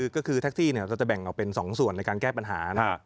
ก็คือแท็กซี่เราจะแบ่งออกเป็น๒ส่วนในการแก้ปัญหา